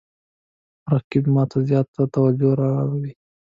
رقیب ما ته زیاته توجه را اړوي